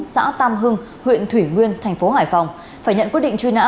xã tam hưng huyện thủy nguyên tp hải phòng phải nhận quyết định truy nã